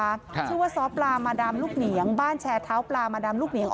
ชื่อว่าซ้อปลามาดามลูกเหนียงบ้านแชร์เท้าปลามาดามลูกเหนียง